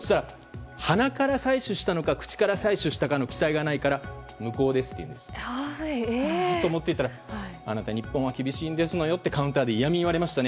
鼻から採取したのか口から採取したかの記載がないから無効ですと言うんです。と思っていたらあなた、日本は厳しいんですよとカウンターで嫌味を言われました。